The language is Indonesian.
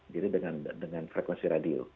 jadi dengan frekuensi radio